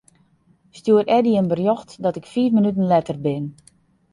Stjoer Eddy in berjocht dat ik fiif minuten letter bin.